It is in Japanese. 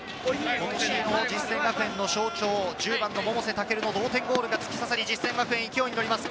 実践学園の象徴、１０番の百瀬健の同点ゴールが突き刺さり、実践学園、勢いに乗ります。